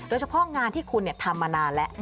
โดยเฉพาะงานที่คุณทำมานานแล้ว